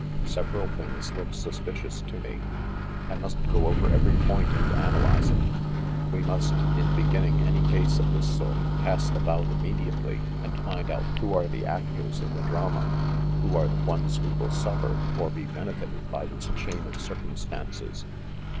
Several things look suspicious to me. I must go over every point and analyze it. We must, in be ginning any case of this sort, cast about immediately and find out who are the actors in the drama, who are the ones who will suffer or be benefited by this chain of circumstances.